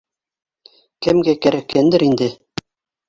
— Кемгә кәрәккәндер инде